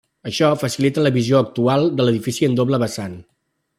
Això facilita la visió actual de l'edifici en doble vessant.